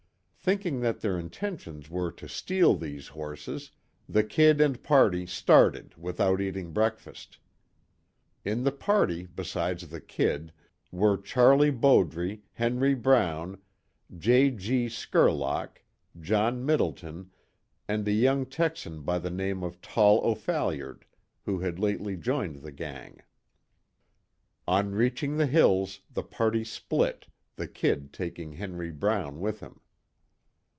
Thinking that their intentions were to steal these horses, the "Kid" and party started without eating breakfast. In the party, besides the "Kid," were Charlie Bowdre, Henry Brown, J. G. Skerlock, John Middleton, and a young Texan by the name of Tom O'Phalliard, who had lately joined the gang. On reaching the hills, the party split, the "Kid" taking Henry Brown with him.